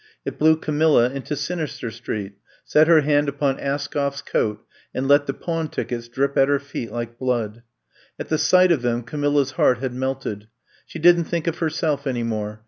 It blew Camilla into Sinister Street, set her hand upon Askoff 's coat and let the pawn tickets ■drip at her feet like blood. At the sight of them Camilla's heart had melted. She didn't think of herself any more.